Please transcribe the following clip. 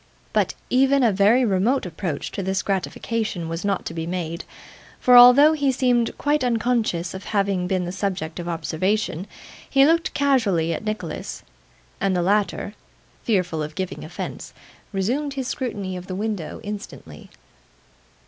But, even a very remote approach to this gratification was not to be made, for although he seemed quite unconscious of having been the subject of observation, he looked casually at Nicholas; and the latter, fearful of giving offence, resumed his scrutiny of the window instantly.